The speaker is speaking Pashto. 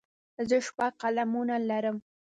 زه شپږ قلمونه لرم.